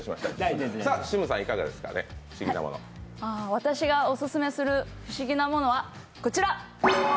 私がオススメする不思議なものはこちら。